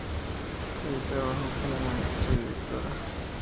Allí trabajó como maestra y directora.